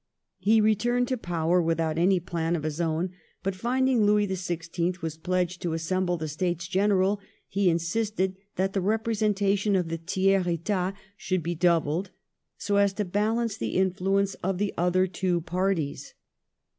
He returned to power without any plan of his own; but finding Louis XVI. was pledged to assemble the States General, he insisted that the representation of the Tiers Et&t should be dou bled, so as to balance the influence of the other two parties.